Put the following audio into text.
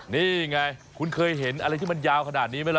นี่ไงคุณเคยเห็นอะไรที่มันยาวขนาดนี้ไหมล่ะ